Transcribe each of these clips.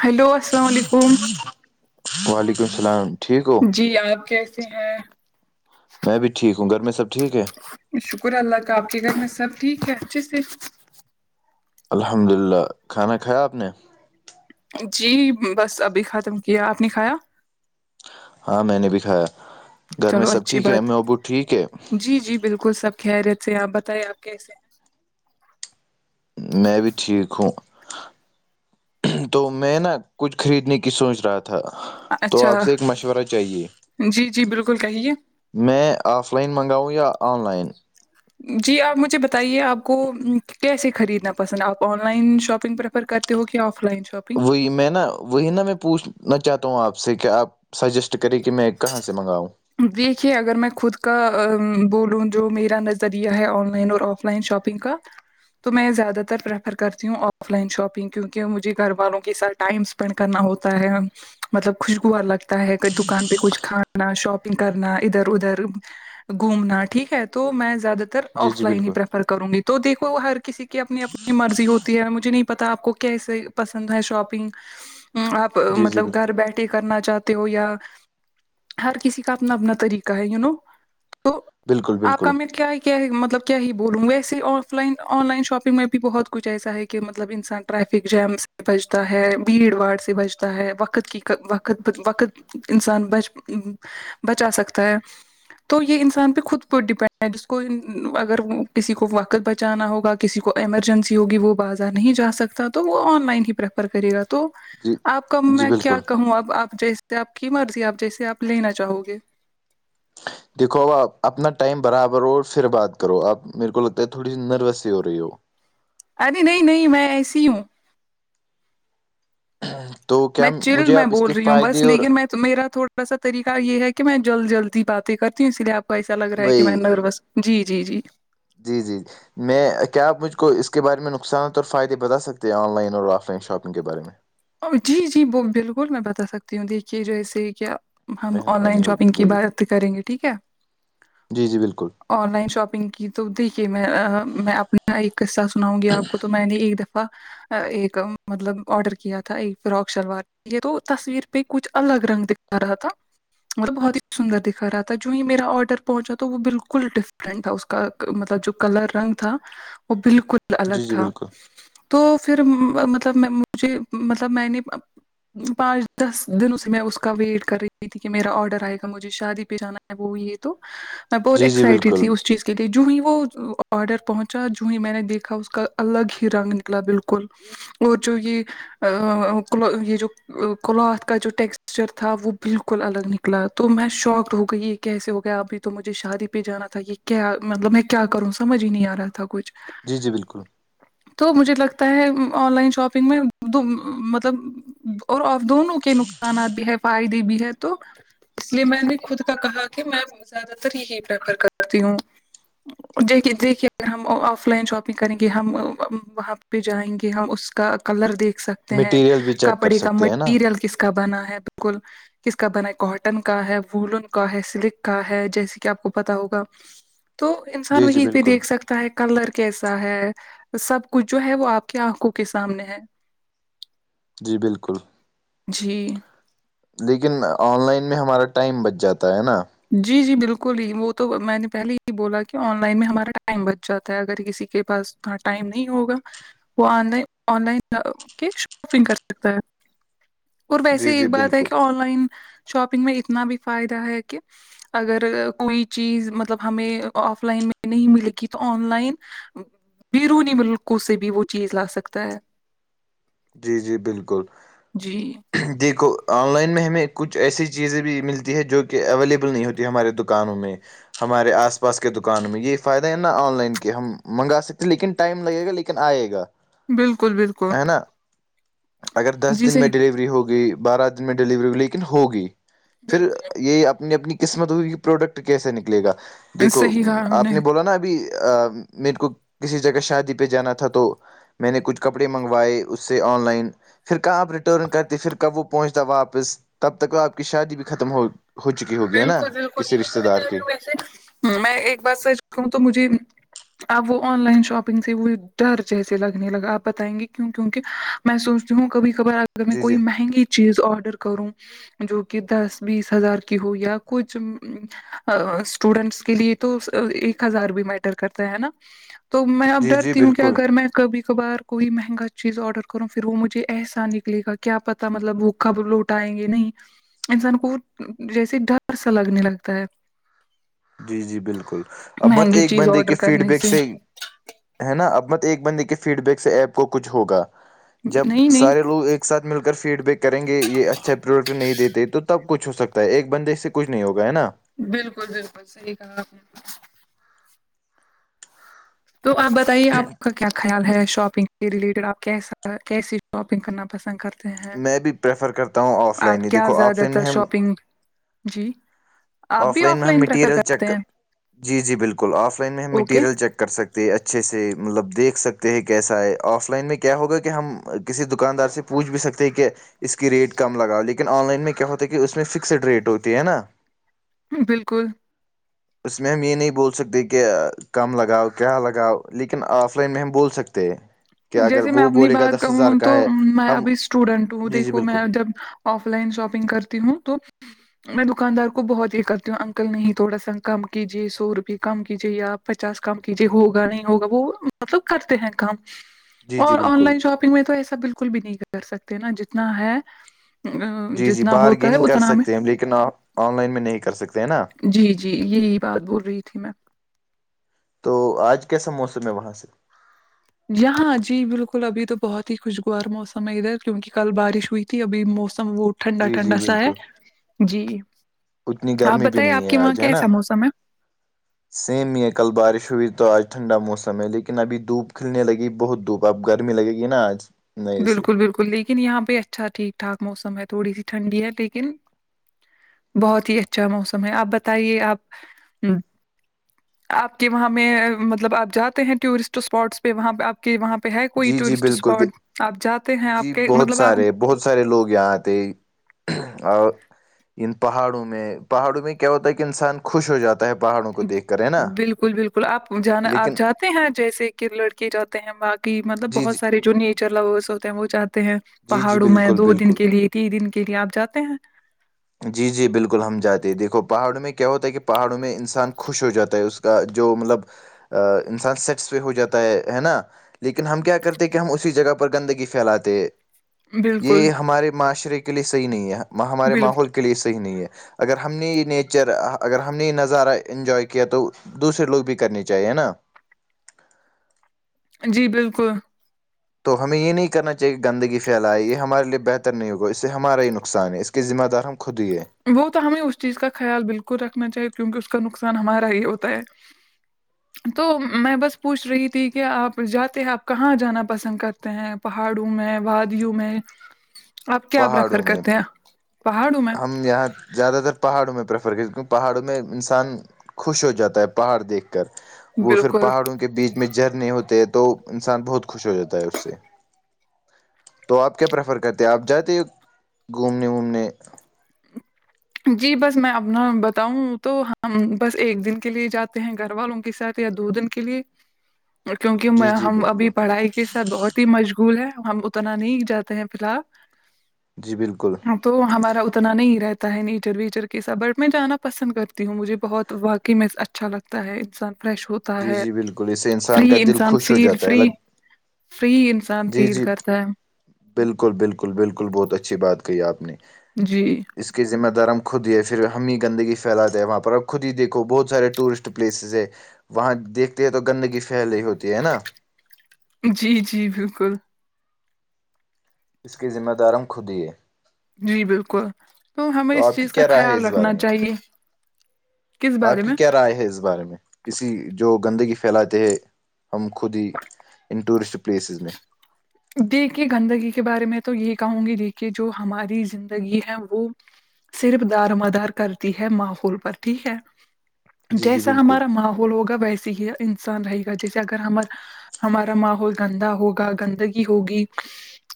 حلوا وعلیکم السلام ٹھیک ہو جی آپ کیسے ہیں میں بھی ٹھیک ہوں گھر میں سب ٹھیک ہے شکر اللہ کااب کے گھر میں سب ٹھیک ہے اچھے سے الحمدا للہ کھانا کھایا آپ نے جی بس ابھی ختم کیا آپ نے کھایا ہاں میں نے بھی کھایا گھر میں چلو سب اچھی ٹھیک ہے بات امی ابو ٹھیک ہے جی جی بالکل خد سب خریت سے آپ بتائیے آپ کیسے میں بھی ٹھیک ہوں تو میں نا کچھ خریدنے کی سوچ رہا تھا تھا ہیں تو اچھا آپ سے ایک مشورہ چاہیے جی جی بالکل کہیے میں آف لائن منگاؤں یا آن لائن جی آپ مجھے بتائیے آپ کو کیسے خریدنا پسند آپ آن لائن شاپنگ پر پر کرتے ہو گیا آف لائن شاپنگ وہی میں نا وہی نا میں پوچھنا چاہتا ہوں آپ سے کہ آپ سجیسٹ کرے کہ میں کہاں سے منگاؤں دیکھیے اگر میں خود کا بولوں جو میرا نظریہ ہے آن لائن اور آف آف لائن شاپنگ کا تو میں زیادہ تر پریفر کرتی ہوں آف لائن شاپنگ کیونکہ مجھے گھر والوں کے ساتھ ٹائم کرنا ہوتا ہے مطلب خوشگوار لگتا ہے کہ دکان پہ کچھ کھانا شاپ کرنا ادھر ادھر گھومنا ٹھیک ہے تو میں زیادہ تر جی آف جی لائن ہی بالکل ہیریفر کروں گی تو دیکھو ہر کسی کی اپنی اپنی مرضی ہوتی ہے مجھے نہیں پتا آپ کو کیسے پسند ہے شاپنگ آپ جی جی مطلب بالکل گھر بیٹھ کرنا چاہتے ہو یا ہر کسی کا اپنا اپنا طریقہ ہے یو نو تو بالکل آپ بالکل کا امید کیا ہے کیا مطلب کیا ہی بولوں ویسے offline online shopping میں بھی بہت کچھ ایسا ہے کہ مطلب انسان ٹریفک جیام سے بچتا ہے بھیڑ بھاڑ سے بچتا ہے وقت کی وقت وقت انسان بچ بچا سکتا ہے تو یہ انسان پہ خود پر ڈیپینڈ ہے جس کو اگر کسی کو وقت بچانا ہوگا کہ کسی کو ایمرجنسی ہوگی وہ بازار نہیں جا سکتا تو وہ آن لائن ہی پریفر کرے گا تو جی آپ کا جی میں کیا بالکل کہوں اب آپ جیسے آپ کی مرضی آپ جیسے آپ لینا چاہو گے دیکھو اپ اپنا ٹائم برابر ہو اور پھر بات کرو آپ میرے کو لگتا ہے تھوڑی سی نروس ہی ہو رہی ہو ارے نہیں نہیں میں ایسی ہوں ہاں میں چل میں بول رہی ہوں بس لیکن میں تو میرا تھوڑا سا طریقہ یہ ہے کہ میں جلد جلد ہی باتیں کرتی ہوں اس لیے آپ ایسا لگ رہا ہے کہ میں وہی نروس جی جی جی جی جی ج میں کیا آپ مجھ کو اس کے بارے میں نقصانات اور فائدے بتا سکتے ہیں آن لائن اور آف لائن شاپنگ کے بارے میں جی جی بالکل میں بتا سکتی ہوں دیکھیے جیسے کیا ہم آن لائن مہربانی شاپنگ ہوگی کی بولیے بات کریں گے ٹھیک ہے جی جی بالکل آن لائن شاپنگ کی تو دیکھیے میں میں اپنا ایک قصہ سناؤں گی آپ کو تو میں نے ایک دفعہ ایک مطلب آڈر کیا تھا یہ فراک شلوار یہ تو تصویر پہ کچھ الگ رنگ دکھا رہا تھا مطلب بہت ہی سندر دکھا رہا تھا جو یہ میرا آرڈر پہنچا تھا وہ بالکل ڈفرنٹ تھا اس مطلب جو کلر رنگ تھا وہ بالکل جی الگ جی تھا بالکل تو پھر مطلب مجھے مطلب میں نے پانچ دس دنوں سے میں اس کا ویٹ کر رہی تھی کہ میرا آڈر آئے گا مجھے شادی پہ جانا ہے وہ یہ تو میں بہت جی جی اکسائٹڈ بالکل تھی اس چیز جو آ ہی وہ آڈر پہنچا جو ہی میں نے دیکھا اس کا الگ ہی رنگ نکلا بالکل اور جو یہ ا یہ جو کلاتھ کا جو ٹیکسچر تھا وہ بالکل الگ نکلا تو میں شاکڈ ہو گئی یہ کیسے ہو گیا ابھی تو مجھے شادی پہ جانا تھا یہ کیا مطلب میں کیا کروں سمجھ ہی نہیں آ رہا تھا کچھ جی جی بالکل تو مجھے لگتا ہے آن لائن شاپنگ میں مطلب اور دونوں کے نقصانات بھی ہے فائدے بھی ہے تو اس لیے میں نے خود کا کہا کہ میں زیادہ تر یہی پریفر کرتی ہوں دیکھیے دیکھیے اگر ہم آف لائن شاپنگ کریں گے ہم وہاں پہ جائیں گے ہم اس کا کلر دیکھ سکتے ہیں مٹیریل بھی چیک کر کپڑے کا سکتے ہیں نا مٹیریل کس کا بنا ہے بالکل کس کا بنا ہے کاٹن کا ہے وولن کا ہے سلک کا ہے جیسے کہ آپ کو پتا ہوگا تو انسان جی جی وہیں پہ بالکل دیکھ سکتا ہے کلر کیسا ہے سب کچھ جو ہے وہ آپ کی آنکھوں کے سامنے ہے جی بالکل جی لیکن آن لائن میں ہمارا ٹائم بچ جاتا ہے نا جی جی بالکل ہی وہ تو میں نے پہلے ہی بولا کہ آن لائن میں ہمارا ٹائم بچ جاتا ہے اگر کسی کے پاس اتنا ٹائم نہیں ہوگا وہ آن لائن آن لائن کی شاپنگ کر سکتا ہے اور ویسے جی جی ایک بات ہے بالکل کہ آن لائن شاپنگ میں اتنا بھی فائدہ ہے کہ اگر کوئی چیز مطلب ہمیں آف لائن میں نہیں ملے گی تو آن لائن بیرونی ملکوں سے بھی وہ چیز لا سکتا ہے جی جی بالکل جی دیکھو آن لائن میں ہمیں کچھ ایسی چیزیں بھی ملتی ہے جو کہ اویلیبل نہیں ہوتی ہمارے دکانوں میں ہمارے آس پاس کے دکانوں میں یہ فائدہ ہے نا آن لائن کے ہم منگا سکتے لیکن ٹائم لگے گا لیکن آئے گا بالکل بالکل ہے نا اگر دس جی دن میں صحیح ڈلیوری ہوگئی بارہ دن میں ڈلیوری ہو گئی لیکن ہوگئی پھر بالکل یہ اپنی اپنی قسمت ہوگی کہ پروڈکٹ کیسے نکلے گا دیکھو صحیح کہا ہم آپ نے بولا نا ابھی میرے کو کسی جگہ شادی پہ جانا تھا تو میں نے کچھ کپڑے منگوائے اس اسے آن لائن پھر کہا آپ ریٹرن کرتے پھر کب وہ پہنچتا واپس تب تک وہ آپ کی شادی بھی ختم ہو ہو چکی ہوگی ہے نا بالکل بالکل کسی رشتے دار یہی کی وسے میں ایک بات سچ کہوں تو مجھے اب وہ آن لائن شاپنگ سے وہ ڈر جیسے لگنے لگا آپ بتائیں گے کیوں کہ میں سوچتی ہوں کبھی کبار اگر میں جی کوئی جی مہنگی چیز آرڈر کروں جو کہ دس بیس ہزار کہ ہو یا کچھ اسٹوڈینٹس کے لیے تو ایک ہزار بھی میٹر کرتا ہے نا تو میں اب جی جی ڈرتی ہوں کہ بالکل اگر میں کبھی کبھار کوئی مہنگا چیز آرڈر کروں پھر وہ مجھے ایسا نکلے گا کیا پتا مطلب وہ کب لوٹ آائیں گے نہیں انسان کو جیسے ڈر سا لگنے لگتا ہے جی جی بالکل اب مت مہنگی ایک چیز بندے کے آڈر فیڈ کرنے بیک سے ہے نا اب مت ایک بندے کے فیڈ بیک سے ایپ کو کچھ ہوگا جب نہیں نہیں سارے لوگ ایک ایک ساتھ مل کر فیڈ بیک کریں گے یہ اچھا پروڈکٹ نہیں دیتے تو تب کچھ ہو سکتا ہے ایک بندے سے کچھ نہیں ہوگا ہے نا بالکل بالکل صحیح کہا آپ تو آپ بتائیے آپ کا کیا خیال ہے شاپنگ کے ریلیٹڈ آپ کیسا کیسی شاپنگ کرنا پسند کرتے میں بھی پریفر کرتا ہوں آف لائن آپ ہی کیا دیکھو آف زیادہ لائن تر میں ہم شاپنگ جی آپ بھی آف میں ہم لائن پریفر مٹیریل چیک کرتے کر ہیں جی جی بالکل آف لائن میں ہم اوکے میٹیریل چیک کر سکتے اچھے سے مطلب دیکھ سکتے ہیں کیسا ہے آف لائن میں کیا ہوگا کہ ہم کسی دکاندار سے پوچھ بھی سکتے کہ اس کی ریٹ کم لگاؤ لیکن آن لائن میں کیا ہوتا ہے کہ اس میں فکسڈ ریٹ ہوتی ہے نا بالکل اس میں ہم یہ نہیں بول سکتے کہ کم لگاؤ کیا لگاؤ لیکن آف لائن میں ہم بول سکتے ہیں کہ اگر جیسے میں وہ اپنی بولے گا بات دس ہزار کہوں کا تو ہے میں ہم ابھی اسٹوڈینٹ ہوں جی جی دیکھو بالکل میں جب آف لائن شاپنگ کرتی ہوں تو میں دکاندار کو بہت یہ کرتی ہوں انکل نہیں تھوڑا سا کم کیجیے سو روپیئے کم کیجے آپ پچاس کم کیجے ہوگا نہیں ہوگا وہ مطلب کرتے ہیں کم جی جی اور آن بالکل لائن شاپنگ میں تو ایسا بالکل بھی نہیں کر سکتے نا جتنا ہے ام، جی جی جتنا ہوتا ہے بارگیننگ کر اتنا ہمیں سکتے ہیں ہم لیکن آپ آن لائن میں نہیں کر سکتے ہیں نا جی جی یہی بات بول رہی تھی میں تو آج کیسا موسم ہے وہاں سے یہا جی بالکل ابھی تو بہت ہی خوشگوار موسم ہے ادھر کیونکہ کل بارش ہوئی تھی ابھی موسم وہ ٹھنڈا جی جی ٹھنڈا سا ہے بالکل جی اتنی آپ گرمی بھی بتائیے نہیں آپ ہے کے وہاں آج ہے نا کیسا موسم ہے سیم ہی ہے کل بارش ہوئی تو آج ٹھنڈا موسم ہے لیکن ابھی دھوپ کھلنے لگی بہت دھوپ تو اب گرمی لگے گی نا آج نہیں سے بالکل بالکل لیکن یہاں پہ اچھا ٹھیک ٹھاک موسم ہے تھوڑی سی ٹھنڈی ہے لیکن بہت ہی اچھا موسم ہے آپ بتائیے آپ آپ کے وہاں میں مطلب آپ جاتے ہیں ٹورسٹ اسپاٹس پہ وہاں پہ آپ کے وہاں پہ ہے کوئی جی جی ٹورسٹ بالکل اسپاٹ آپ جاتے ہیں آپ جی کے بہت مطلب آپ سارے بہت سارے لوگ یہاں آتے اور ان پہاڑوں میں پہاڑوں میں کیا ہوتا ہے کہ انسان خوش ہو جاتا ہے پہاڑوں کو دیکھ کر ہے نا بالکل بالکل آپ جانا لیکن آپ ہیں جیسے کہ لڑکے جاتے ہیں باقی مطلب جی بہت جی سارے جو نیچر لورس ہوتے ہیں وہ جاتے ہیں جی جی پہاڑوں میں بالکل دو دن بالکل کے لیے تین دن کے لیے آپ جاتے ہیں جی جی بالکل ہم جاتے دیکھو پہاڑوں میں کیا ہوتا ہے کہ پہاڑوں میں انسان خوش ہو جاتا ہے اس کا جو مطلب انسان سیٹسفائی ہو جاتا ہے ہے نا لیکن ہم کیا کرتے ہیں کہ ہم اسی جگہ پر گندگی پھیلاتے بالکل یہ ہمارے معاشرے کے لیے صحیح نہیں ہے ہمارے بالکل ماحول کے لیے صحیح نہیں ہے اگر ہم نے یہ نیچر اگر ہم نے یہ نظارہ انجوائے کیا تو دوسرے لوگ بھی کرنی چاہیے ہے نا جی بالکل تو ہمیں یہ نہیں کرنا چاہیے کہ گندگی پھیلائے یہ ہمارے لیے بہتر نہیں ہوگا اس سے ہمارا ہی نقصان ہے اس کہ ذمدار ہم خود ہی ہے وہ تو ہمیں اس چیز کا خیال بالکل رکھنا چاہیے کیونکہ اس کا نقصان ہمارا ہی ہوتا ہے تو میں بس پوچھ رہی تھی کہ آپ جاتے ہیں آپ کہاں جانا پسند کرتے ہیں پہاڑوں میں وادیوں میں آپ کیا پریفر پہاڑوں میں کرتے ہیں پہاڑوں میں یہاں زیادہ تر پہاڑوں میں پریفر کر کیونکہ پہاڑوں میں انسان خوش ہو جاتا ہے پہاڑ دیکھ کر وہ پھر بالکل پہاڑوں کے بیچ میں جھرنے ہوتے ہے تو انسان بہت خوش ہو جاتا ہے اس سے تو آپ کیا پریفر کرتے آپ جاتے ہیں گھومنے ومنے جی بس میں اپنا بتاؤں تو ہم بس ایک دن کے لیے جاتے ہیں گھر والوں کے ساتھ دو دن کے لیے کیونکہ جی جی ہم میں ابھی بالکل پڑھائی کے ساتھ بہت مشغول ہے ہم اتنا نہیں جاتے ہیں فی الحال جی بالکل تو ہمارا اتنا نہیں رہتا ہے نیچر ویچر کےساتھ بٹ میں جانا پسند کرتی ہوں مجھے بہت واقعی میں اچھا لگتا ہے انسان فریش ہو ہوتا جی ہے جی بالکل اس سے کا فری دل انسان خوش ہو فیل جاتا ہے فری الگ فری انسان جی فیل جی کرتا ہے بالکل بالکل بالکل بہت اچھی بات کہی آپ نے جی اس کے ذمہ دار ہم خود ہی ہے پھر ہم ہی گندگی پھیلاتے ہیں وہاں پر اب خود ہی دیکھو بہت سارے ٹورسٹ پلیسز ہے وہاں دیکھتے ہیں تو گندگی پھیل رہی ہوتی ہے نا جی جی بالکل اس کی ذمہ دار ہم خود ہی ہے جی بالکل تو ہمیں اس آپ کی چیز کا کیا رائے ہے خیال اس رکھنا بارے میں چاہیے کس بارے آپ کی میں کیا رائے ہے اس بارے میں اسی جو گندگی پھیلاتے ہے ہم خود ہی ان ٹورسٹ پلیسز میں دیکھے گندگی کے بارے میں تو یہ کہوں گی دیکھیے جو ہماری زندگی ہے وہ صرف دار مدار کرتی ہے ماحول پر ٹھیک ہے جی جی جیسا بالکل ہمارا ماحول ہوگا ویسے ہی انسان رہے گا جیسے اگر ہمار ہمارا ماحول گندا ہوگا گندگی ہوگی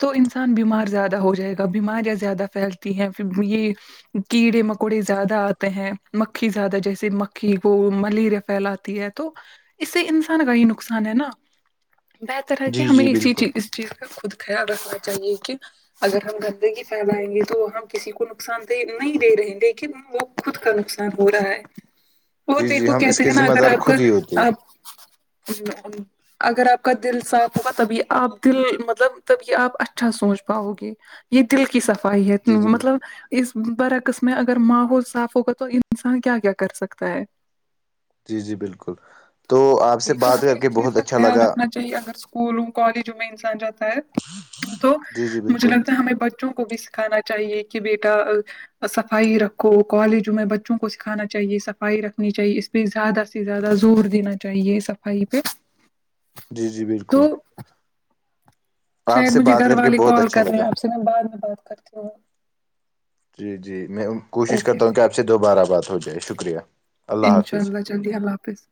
تو انسان بیمار زیادہ ہو جائے گا بیماریاں زیادہ پھیلتی ہیں یہ کیڑے مکوڑے زیادہ آتے ہیں مکھی زیادہ جیسے مکھی کو ملیریا پھیلاتے ہے تو اس سے انسان کا ہی نقصان ہے نا بہتر ہے کہ جی ہمیں جی اسی بالکل چیز ٹھیک ہے خود خیال رکھنا چاہیے کہ اگر ہم گندگی پھیلائیں گے تو ہم کسی کو نقصان د نہیں دے رہے لیکن وہ خود کا نقصان ہو رہا ہے وہ جی جی دیکھو ہم اس کہتے کے ہیں نا ذمہ دار اگر آپ کا خود ہی ہوتے ہیں آپ اگر آپ کا دل صاف ہوگا تبھی آپ دل مطلب تب یہ آپ اچھا سوچ پاؤ گے یہ دل کی صفائی ہے جی جی بالکل مطلب اس برعکس میں اگر ماحول صاف ہوگا تو انسان کیا کیا کر سکتا ہے جی جی بالکل تو آپ سے جٹ تو بات ہمیں کر اس کے چیز بہت کا اچھا خیال لگا رکھنا چاہیے اگر اسکولوں کالج میں انسان جاتا ہے تو جی جی مجھے بالکل لگتا ہمیں بچوں کو بھی سکھانا چاہیے کہ بیٹا صفائی رکھو کالجوں میں بچوں کو سکھانا چاہیے صفائی رکھنی چاہیے اس زیادہ سے زیادہ زور دینا چاہیے صفائی پہ جی جی بالکل تو آپ شاید سے مجھے بات گھر کر کے والے بہت کال اچھا کر رہے لگا ہیں آپ سے میں بعد میں بات کرتی ہوں جی جی میں کوشش اوکے کرتا ہوں کہ اوکے آپ سے دوبارہ بات ہو جائے شکریہ انشاء اللہ جلدی اللہ حافظ